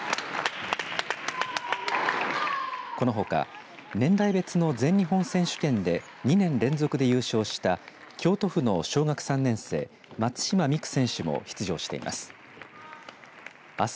このほか年代別の全日本選手権で２年連続で優勝した京都府の小学３年生松島美空選手も出場しています。